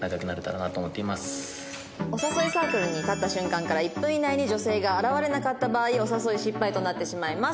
お誘いサークルに立った瞬間から１分以内に女性が現れなかった場合お誘い失敗となってしまいます。